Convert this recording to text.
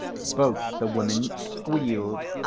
Both the women squealed.